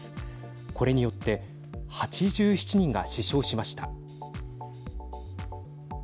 これによって８７人が死傷しました。